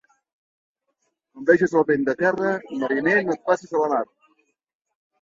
Quan vegis el vent de terra, mariner no et facis a la mar.